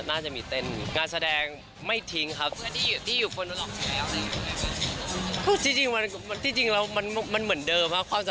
อาอยู่เป็นเรื่องของพัฒนาแนวสูตรแบบมั่นกันค่ะ